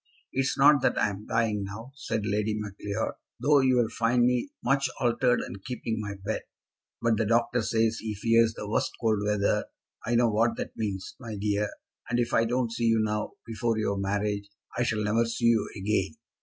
"It is not that I am dying now," said Lady Macleod, "though you will find me much altered and keeping my bed. But the doctor says he fears the first cold weather. I know what that means, my dear; and if I don't see you now, before your marriage, I shall never see you again.